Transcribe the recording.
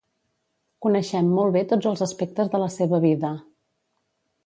Coneixem molt bé tots els aspectes de la seva vida.